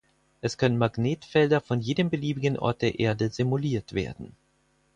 Es können Magnetfelder von jedem beliebigen Ort der Erde simuliert werden.